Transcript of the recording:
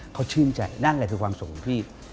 เขาชื่นใจนั่นแหละคือความสุขของพี่